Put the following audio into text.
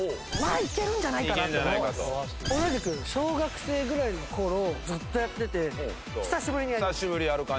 同じく小学生ぐらいの頃ずっとやってて久しぶりにやります。